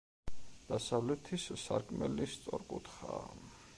დასავლეთის სარკმელი სწორკუთხაა.